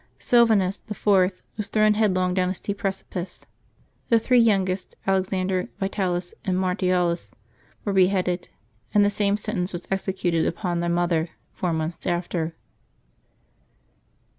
Sylvanus, the fourth, was thrown headlong down a steep precipice. The three youngest, Alexander, Yitalis, and Martialis, were beheaded, and the same sentence was executed upon the mother four months after.